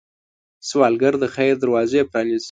سوالګر د خیر دروازې پرانيزي